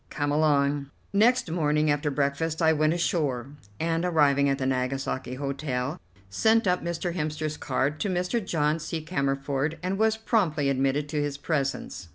Come along." Next morning after breakfast I went ashore, and, arriving at the Nagasaki Hotel, sent up Mr. Hemster's card to Mr. John C. Cammerford, and was promptly admitted to his presence.